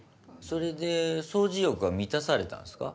それで掃除欲は満たされたんすか？